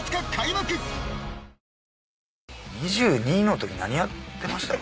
２２のとき何やってました？